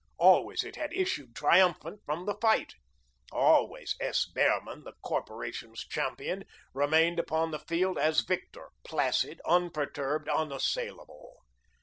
Always it had issued triumphant from the fight; always S. Behrman, the Corporation's champion, remained upon the field as victor, placid, unperturbed, unassailable.